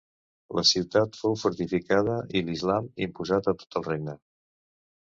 La ciutat fou fortificada i l'islam imposat a tot el regne.